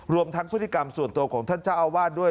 รวมทั้งพฤติกรรมส่วนตัวของท่านเจ้าอาวาสด้วย